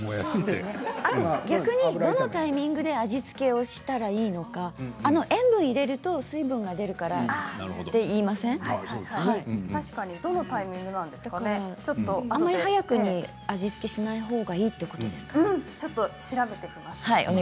逆にどのタイミングで味付けをしたらいいのか塩分を入れると水分が出るからとどのタイミングあまり早くに味付けしないほうがいいということですかね。